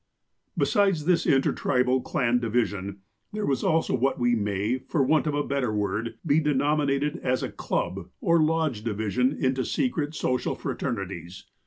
Besides this intertribal clan division, there was also what may, for w ant of a better word, be denominated as a club or lodge division into secret social fraternities.